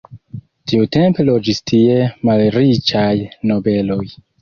Tiutempe loĝis tie malriĉaj nobeloj.